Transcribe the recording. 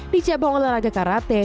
di cabang olahraga karate